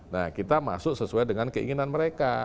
nah kita masuk sesuai dengan keinginan mereka